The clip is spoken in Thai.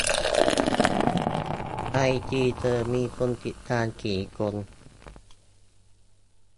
ไอจีเธอมีคนติดตามกี่คน